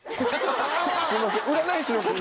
すいません。